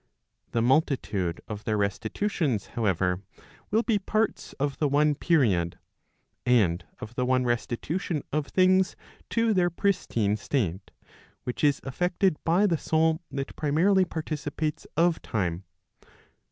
The multitude of their restitutions, however, will be parts of the one period, and of the one restitution of things to their pristine state, which is effected by the soul that primarily participates of time.